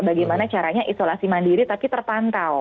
bagaimana caranya isolasi mandiri tapi terpantau